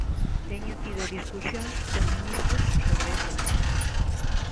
Teño tido discusións con ministros sobre ese tema.